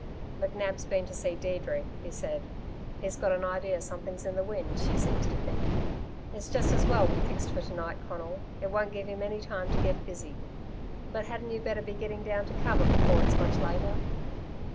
"McNab's been to see Deirdre," he said. "He's got an idea something's in the wind, she seems to think. It's just as well we fixed for to night, Conal. It won't give him any time to get busy. But hadn't you better be getting down to cover before it's much later?"